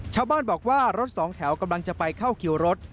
ชาวบ้านบอกว่ารถสองแถวกำลังจะไปเข้าคิวรถ